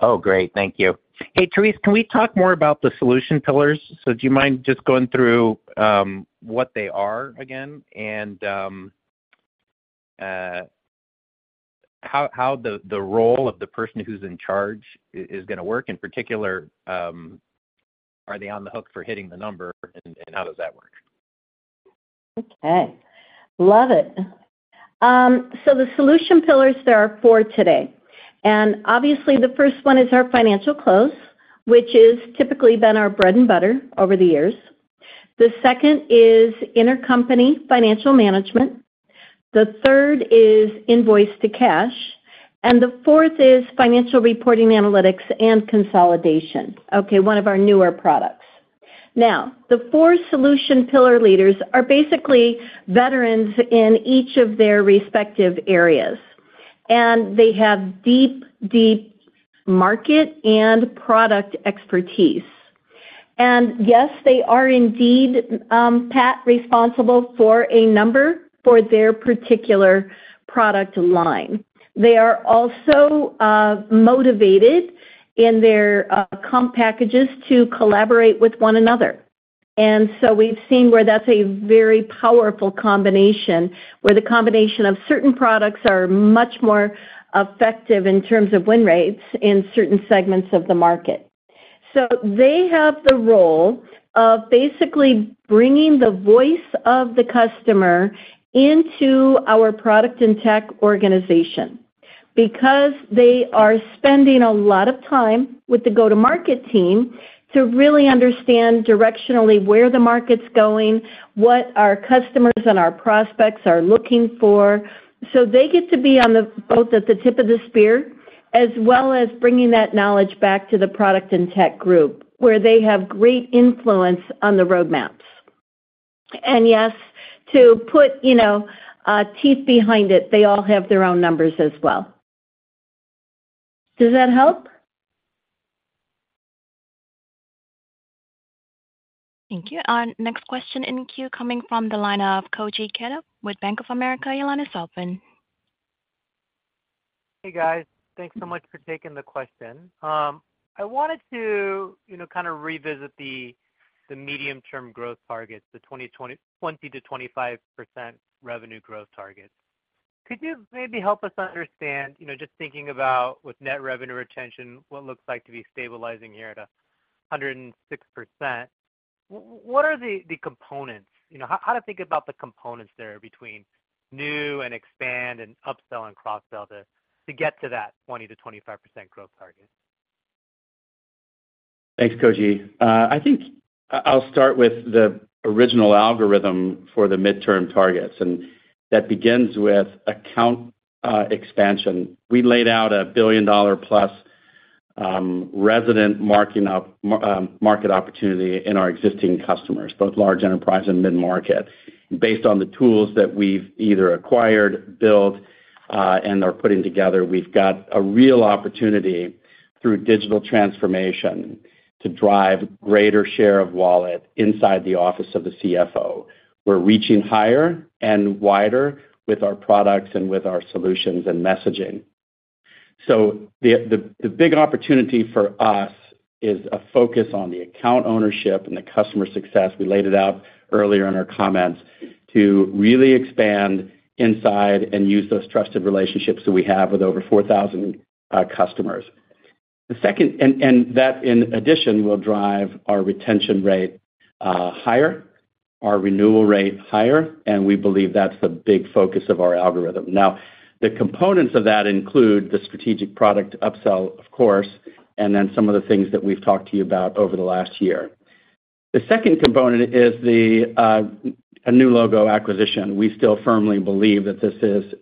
Oh, great. Thank you. Hey, Therese, can we talk more about the solution pillars? So do you mind just going through what they are again and how the role of the person who's in charge is going to work? In particular, are they on the hook for hitting the number, and how does that work? Okay. Love it. So the solution pillars, there are four today. And obviously, the first one is our financial close, which has typically been our bread and butter over the years. The second is intercompany financial management. The third is invoice to cash. And the fourth is financial reporting analytics and consolidation, okay, one of our newer products. Now, the four solution pillar leaders are basically veterans in each of their respective areas, and they have deep, deep market and product expertise. And yes, they are indeed, Pat, responsible for a number for their particular product line. They are also motivated in their comp packages to collaborate with one another. And so we've seen where that's a very powerful combination, where the combination of certain products are much more effective in terms of win rates in certain segments of the market. So they have the role of basically bringing the voice of the customer into our product and tech organization because they are spending a lot of time with the go-to-market team to really understand directionally where the market's going, what our customers and our prospects are looking for. So they get to be both at the tip of the spear as well as bringing that knowledge back to the product and tech group where they have great influence on the roadmaps. And yes, to put teeth behind it, they all have their own numbers as well. Does that help? Thank you. Our next question in queue coming from the line of Koji Ikeda with Bank of America, your line is open. Hey, guys. Thanks so much for taking the question. I wanted to kind of revisit the medium-term growth targets, the 20%-25% revenue growth targets. Could you maybe help us understand, just thinking about with net revenue retention, what looks like to be stabilizing here at 106%? What are the components? How to think about the components there between new and expand and upsell and cross-sell to get to that 20%-25% growth target? Thanks, Koji. I think I'll start with the original algorithm for the midterm targets. That begins with account expansion. We laid out a billion-dollar-plus resident market opportunity in our existing customers, both large enterprise and mid-market. Based on the tools that we've either acquired, built, and are putting together, we've got a real opportunity through digital transformation to drive greater share of wallet inside the office of the CFO. We're reaching higher and wider with our products and with our solutions and messaging. The big opportunity for us is a focus on the account ownership and the customer success. We laid it out earlier in our comments to really expand inside and use those trusted relationships that we have with over 4,000 customers. That, in addition, will drive our retention rate higher, our renewal rate higher. We believe that's the big focus of our algorithm. Now, the components of that include the strategic product upsell, of course, and then some of the things that we've talked to you about over the last year. The second component is a new logo acquisition. We still firmly believe that this is,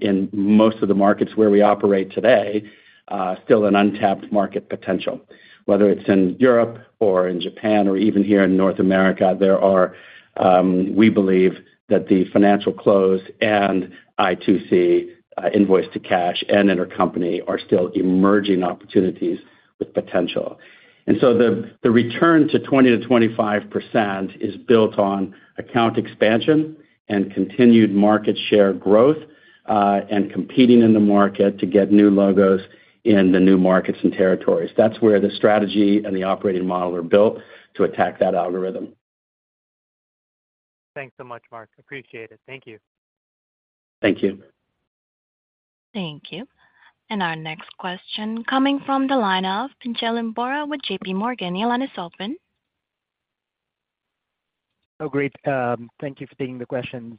in most of the markets where we operate today, still an untapped market potential. Whether it's in Europe or in Japan or even here in North America, we believe that the financial close and I2C, invoice to cash and intercompany are still emerging opportunities with potential. And so the return to 20%-25% is built on account expansion and continued market share growth and competing in the market to get new logos in the new markets and territories. That's where the strategy and the operating model are built to attack that algorithm. Thanks so much, Mark. Appreciate it. Thank you. Thank you. Thank you. And our next question coming from the line of Pinjalim Bora with JP Morgan. The line is open. Oh, great. Thank you for taking the questions.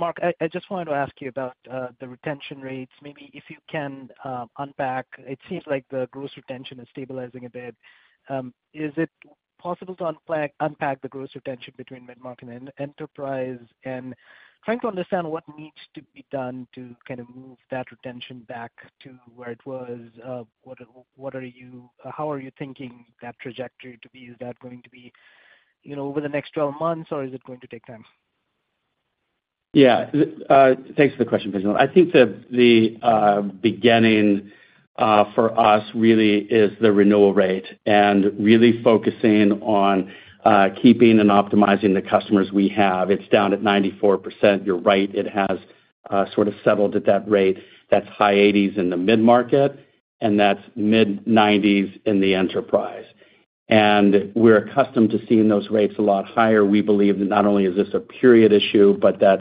Mark, I just wanted to ask you about the retention rates. Maybe if you can unpack it, it seems like the gross retention is stabilizing a bit. Is it possible to unpack the gross retention between mid-market and enterprise? And trying to understand what needs to be done to kind of move that retention back to where it was, how are you thinking that trajectory to be? Is that going to be over the next 12 months, or is it going to take time? Yeah. Thanks for the question, Pinjalim. I think the beginning for us really is the renewal rate and really focusing on keeping and optimizing the customers we have. It's down at 94%. You're right. It has sort of settled at that rate. That's high 80s in the mid-market, and that's mid-90s in the enterprise. We're accustomed to seeing those rates a lot higher. We believe that not only is this a period issue, but that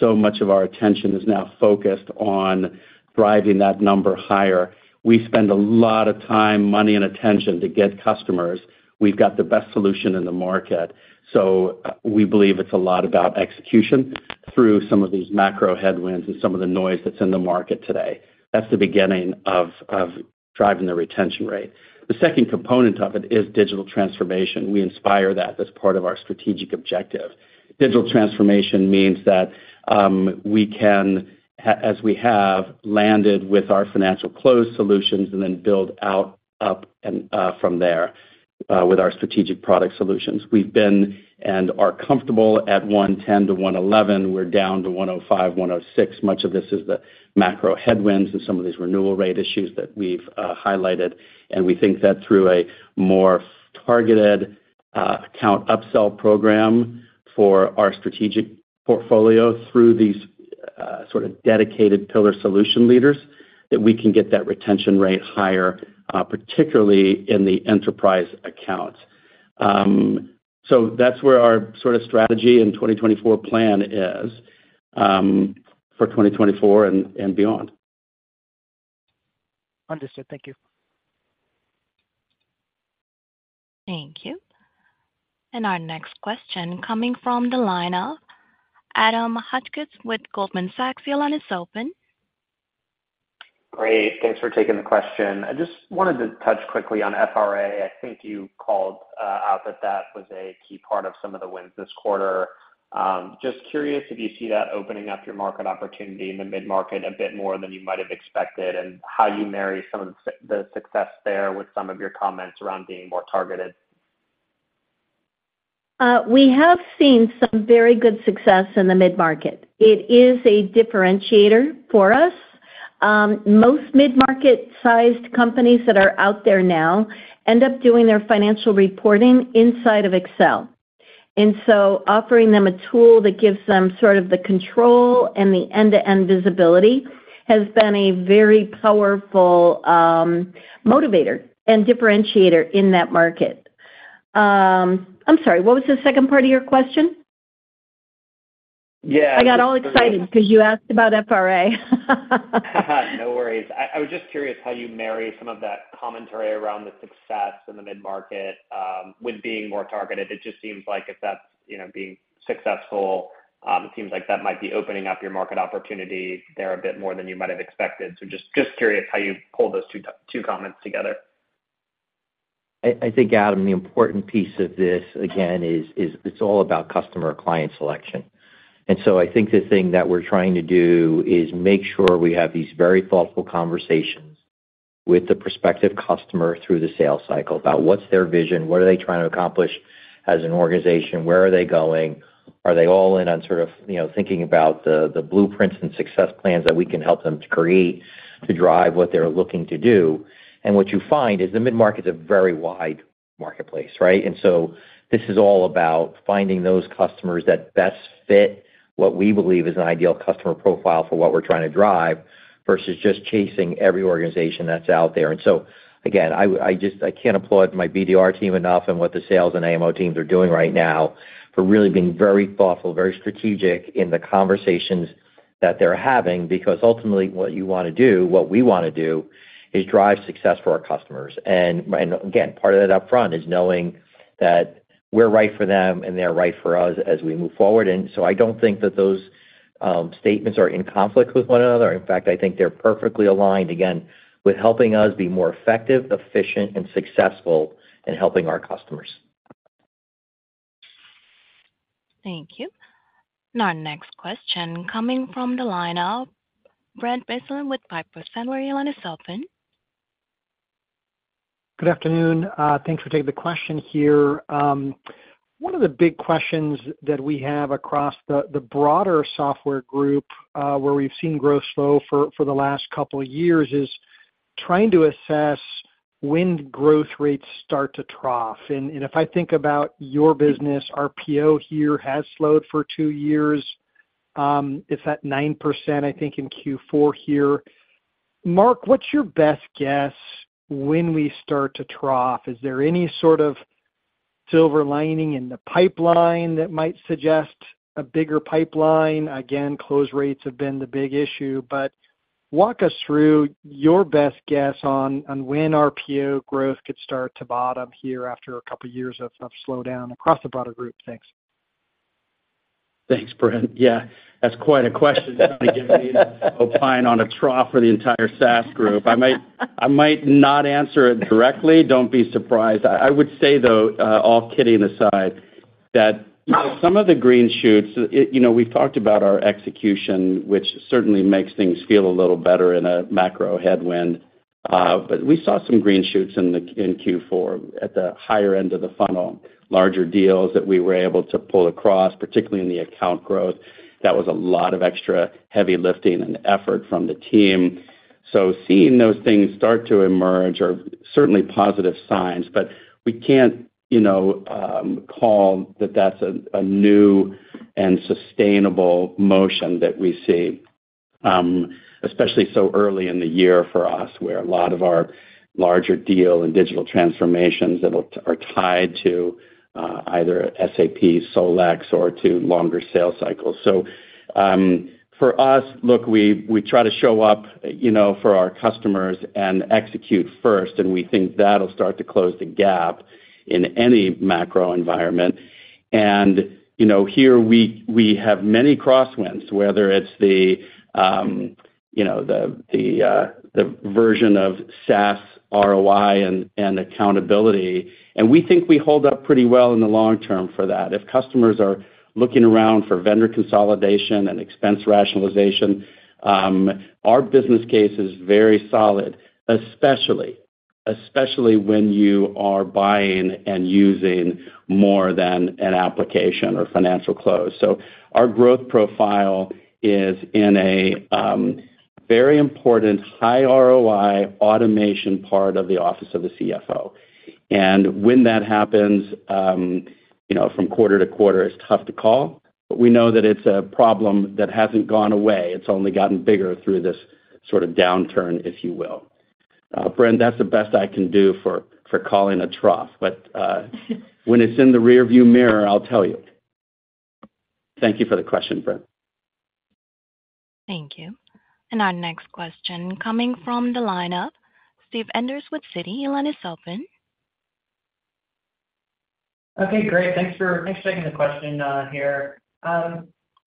so much of our attention is now focused on driving that number higher. We spend a lot of time, money, and attention to get customers. We've got the best solution in the market. We believe it's a lot about execution through some of these macro headwinds and some of the noise that's in the market today. That's the beginning of driving the retention rate. The second component of it is digital transformation. We inspire that as part of our strategic objective. Digital transformation means that we can, as we have, landed with our financial close solutions and then build out from there with our strategic product solutions. We've been and are comfortable at 110-111. We're down to 105-106. Much of this is the macro headwinds and some of these renewal rate issues that we've highlighted. And we think that through a more targeted account upsell program for our strategic portfolio through these sort of dedicated pillar solution leaders, that we can get that retention rate higher, particularly in the enterprise accounts. So that's where our sort of strategy and 2024 plan is for 2024 and beyond. Understood. Thank you. Thank you. And our next question coming from the line of Adam Hotchkiss with Goldman Sachs, the line is open. Great. Thanks for taking the question. I just wanted to touch quickly on FRA. I think you called out that that was a key part of some of the wins this quarter. Just curious if you see that opening up your market opportunity in the mid-market a bit more than you might have expected and how you marry some of the success there with some of your comments around being more targeted. We have seen some very good success in the mid-market. It is a differentiator for us. Most mid-market-sized companies that are out there now end up doing their financial reporting inside of Excel. And so offering them a tool that gives them sort of the control and the end-to-end visibility has been a very powerful motivator and differentiator in that market. I'm sorry. What was the second part of your question? Yeah. I got all excited because you asked about FRA. No worries. I was just curious how you marry some of that commentary around the success in the mid-market with being more targeted. It just seems like if that's being successful, it seems like that might be opening up your market opportunity there a bit more than you might have expected. So just curious how you pull those two comments together. I think, Adam, the important piece of this, again, is it's all about customer or client selection. And so I think the thing that we're trying to do is make sure we have these very thoughtful conversations with the prospective customer through the sales cycle about what's their vision, what are they trying to accomplish as an organization, where are they going, are they all in on sort of thinking about the blueprints and success plans that we can help them create to drive what they're looking to do. And what you find is the mid-market's a very wide marketplace, right? And so this is all about finding those customers that best fit what we believe is an ideal customer profile for what we're trying to drive versus just chasing every organization that's out there. And so, again, I can't applaud my BDR team enough and what the sales and AMO teams are doing right now for really being very thoughtful, very strategic in the conversations that they're having because, ultimately, what you want to do, what we want to do, is drive success for our customers. And again, part of that upfront is knowing that we're right for them and they're right for us as we move forward. And so I don't think that those statements are in conflict with one another. In fact, I think they're perfectly aligned, again, with helping us be more effective, efficient, and successful in helping our customers. Thank you. And our next question coming from the line of Brent Bracelin with William Blair. The line is now open. Good afternoon. Thanks for taking the question here. One of the big questions that we have across the broader software group, where we've seen growth slow for the last couple of years, is trying to assess when growth rates start to trough. And if I think about your business, RPO here has slowed for two years. It's at 9%, I think, in Q4 here. Mark, what's your best guess when we start to trough? Is there any sort of silver lining in the pipeline that might suggest a bigger pipeline? Again, close rates have been the big issue. But walk us through your best guess on when RPO growth could start to bottom here after a couple of years of slowdown across the broader group. Thanks. Thanks, Brent. Yeah, that's quite a question. It's not against me to opine on a trough for the entire SaaS group. I might not answer it directly. Don't be surprised. I would say, though, all kidding aside, that some of the green shoots we've talked about our execution, which certainly makes things feel a little better in a macro headwind. But we saw some green shoots in Q4 at the higher end of the funnel, larger deals that we were able to pull across, particularly in the account growth. That was a lot of extra heavy lifting and effort from the team. So seeing those things start to emerge are certainly positive signs, but we can't call that that's a new and sustainable motion that we see, especially so early in the year for us where a lot of our larger deal and digital transformations that are tied to either SAP, Solex, or to longer sale cycles. So for us, look, we try to show up for our customers and execute first. And we think that'll start to close the gap in any macro environment. And here, we have many crosswinds, whether it's the version of SaaS ROI and accountability. And we think we hold up pretty well in the long term for that. If customers are looking around for vendor consolidation and expense rationalization, our business case is very solid, especially when you are buying and using more than an application or financial close. Our growth profile is in a very important high ROI automation part of the office of the CFO. When that happens from quarter to quarter, it's tough to call. We know that it's a problem that hasn't gone away. It's only gotten bigger through this sort of downturn, if you will. Brent, that's the best I can do for calling a trough. When it's in the rearview mirror, I'll tell you. Thank you for the question, Brent. Thank you. And our next question coming from the line of Steve Enders with Citi, the line is open. Okay. Great. Thanks for taking the question here.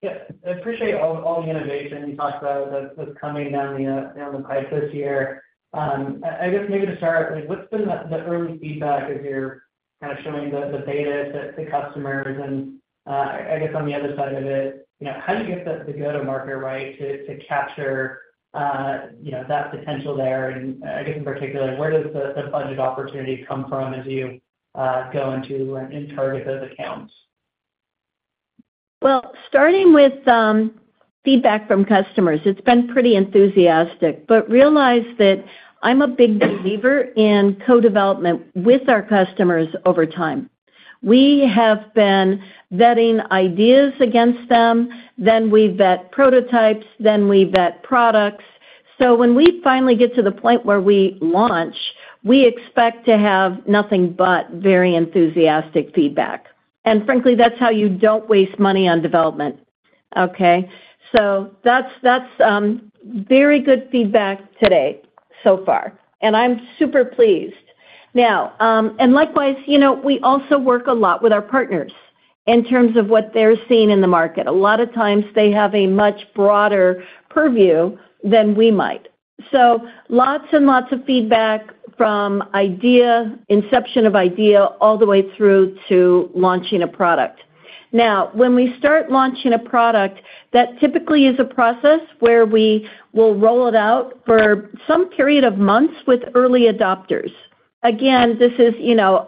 Yeah. I appreciate all the innovation you talked about that's coming down the pipe this year. I guess maybe to start, what's been the early feedback as you're kind of showing the data to customers? And I guess on the other side of it, how do you get the go-to-market right to capture that potential there? And I guess, in particular, where does the budget opportunity come from, and do you go into and target those accounts? Well, starting with feedback from customers, it's been pretty enthusiastic. But realize that I'm a big believer in co-development with our customers over time. We have been vetting ideas against them. Then we vet prototypes. Then we vet products. So when we finally get to the point where we launch, we expect to have nothing but very enthusiastic feedback. And frankly, that's how you don't waste money on development, okay? So that's very good feedback today so far. And I'm super pleased. Now, and likewise, we also work a lot with our partners in terms of what they're seeing in the market. A lot of times, they have a much broader purview than we might. So lots and lots of feedback from inception of idea all the way through to launching a product. Now, when we start launching a product, that typically is a process where we will roll it out for some period of months with early adopters. Again, this is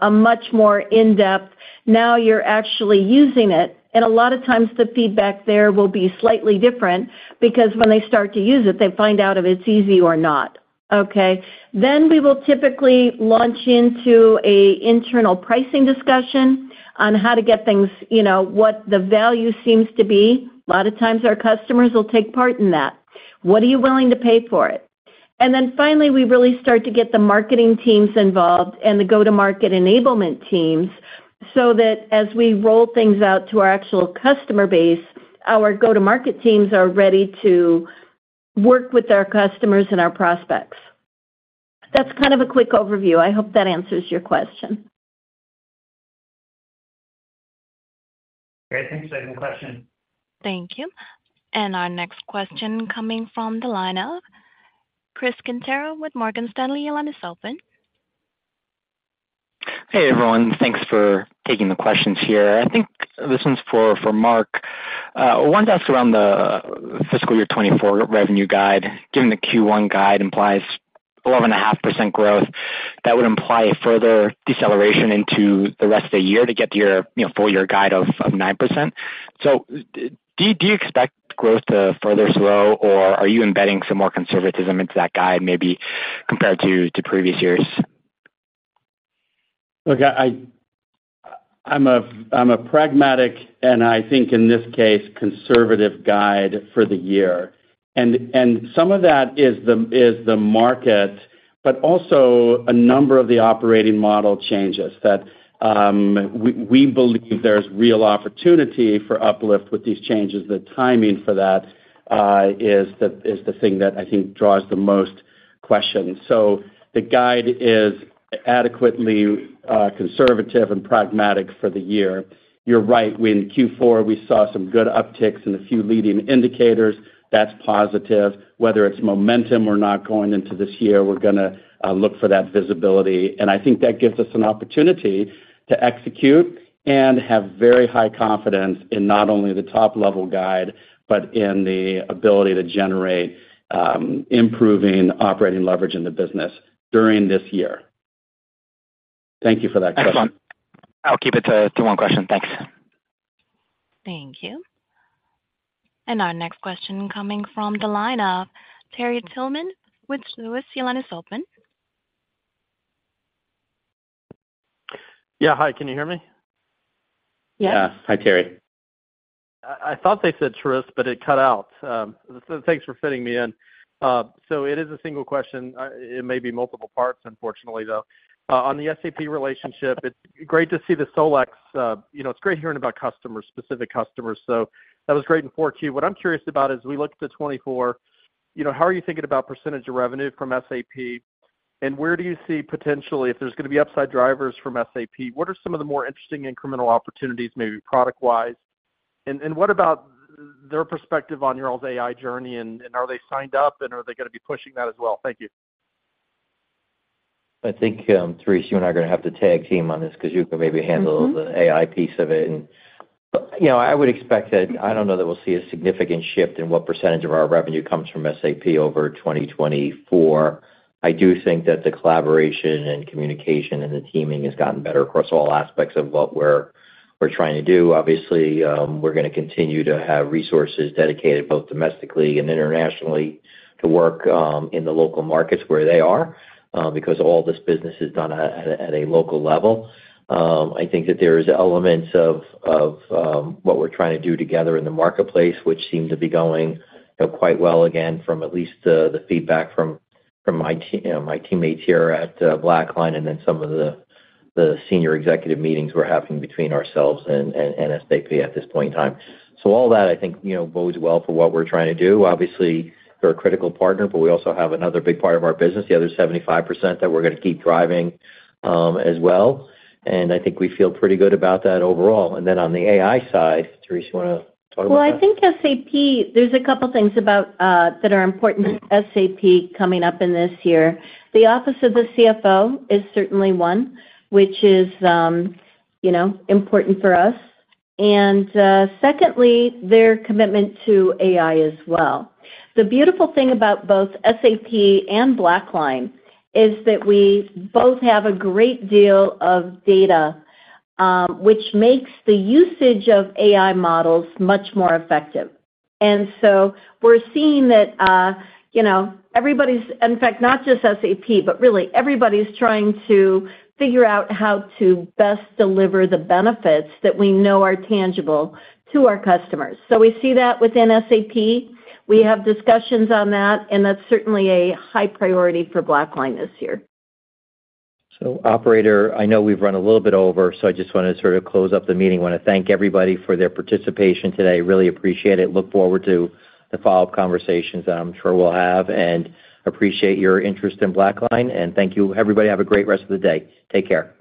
a much more in-depth. Now you're actually using it. And a lot of times, the feedback there will be slightly different because when they start to use it, they find out if it's easy or not, okay? Then we will typically launch into an internal pricing discussion on how to get things, what the value seems to be. A lot of times, our customers will take part in that. What are you willing to pay for it? And then finally, we really start to get the marketing teams involved and the go-to-market enablement teams so that as we roll things out to our actual customer base, our go-to-market teams are ready to work with our customers and our prospects. That's kind of a quick overview. I hope that answers your question. Great. Thanks for taking the question. Thank you. Our next question coming from the line of Chris Quintero with Morgan Stanley. Your line is open. Hey, everyone. Thanks for taking the questions here. I think this one's for Mark. I wanted to ask about the fiscal year 2024 revenue guide. Given the Q1 guide implies 11.5% growth, that would imply a further deceleration into the rest of the year to get to your full-year guide of 9%. So do you expect growth to further slow, or are you embedding some more conservatism into that guide maybe compared to previous years? Look, I'm a pragmatic, and I think in this case, conservative guide for the year. Some of that is the market, but also a number of the operating model changes that we believe there's real opportunity for uplift with these changes. The timing for that is the thing that I think draws the most questions. So the guide is adequately conservative and pragmatic for the year. You're right. In Q4, we saw some good upticks in a few leading indicators. That's positive. Whether it's momentum or not going into this year, we're going to look for that visibility. I think that gives us an opportunity to execute and have very high confidence in not only the top-level guide, but in the ability to generate improving operating leverage in the business during this year. Thank you for that question. Excellent. I'll keep it to one question. Thanks. Thank you. Our next question coming from the line of Terry Tillman with Truist. The line is open. Yeah. Hi. Can you hear me? Yes. Yeah. Hi, Terry. I thought they said Therese, but it cut out. Thanks for fitting me in. So it is a single question. It may be multiple parts, unfortunately, though. On the SAP relationship, it's great to see the Solex. It's great hearing about customers, specific customers. So that was great in 4Q. What I'm curious about is we looked at the 2024. How are you thinking about percentage of revenue from SAP? And where do you see potentially, if there's going to be upside drivers from SAP, what are some of the more interesting incremental opportunities maybe product-wise? And what about their perspective on y'all's AI journey? And are they signed up, and are they going to be pushing that as well? Thank you. I think Therese, you and I are going to have to tag team on this because you can maybe handle the AI piece of it. And I would expect that I don't know that we'll see a significant shift in what percentage of our revenue comes from SAP over 2024. I do think that the collaboration and communication and the teaming has gotten better across all aspects of what we're trying to do. Obviously, we're going to continue to have resources dedicated both domestically and internationally to work in the local markets where they are because all this business is done at a local level. I think that there are elements of what we're trying to do together in the marketplace, which seem to be going quite well again from at least the feedback from my teammates here at BlackLine and then some of the senior executive meetings we're having between ourselves and SAP at this point in time. So all that, I think, bodes well for what we're trying to do. Obviously, they're a critical partner, but we also have another big part of our business, the other 75%, that we're going to keep driving as well. And I think we feel pretty good about that overall. And then on the AI side, Therese, you want to talk about that? Well, I think there's a couple of things that are important to SAP coming up in this year. The office of the CFO is certainly one, which is important for us. And secondly, their commitment to AI as well. The beautiful thing about both SAP and BlackLine is that we both have a great deal of data, which makes the usage of AI models much more effective. And so we're seeing that everybody's in fact, not just SAP, but really everybody's trying to figure out how to best deliver the benefits that we know are tangible to our customers. So we see that within SAP. We have discussions on that, and that's certainly a high priority for BlackLine this year. So operator, I know we've run a little bit over, so I just want to sort of close up the meeting. I want to thank everybody for their participation today. Really appreciate it. Look forward to the follow-up conversations that I'm sure we'll have. And appreciate your interest in BlackLine. And thank you, everybody. Have a great rest of the day. Take care.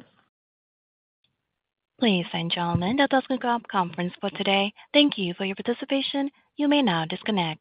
Ladies and gentlemen, that does conclude our conference for today. Thank you for your participation. You may now disconnect.